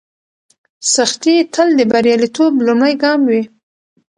سختي تل د بریالیتوب لومړی ګام وي.